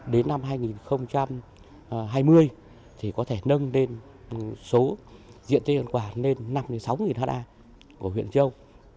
đến năm hai nghìn hai mươi thì có thể nâng lên số diện tên ăn quả lên năm sáu nghìn ha của huyện châu